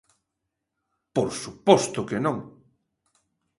Por suposto que non.